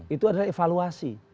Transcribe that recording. itu adalah evaluasi